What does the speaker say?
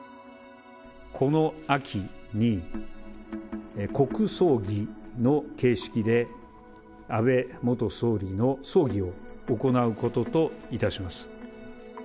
この秋に、国葬儀の形式で、安倍元総理の葬儀を行うことといたします。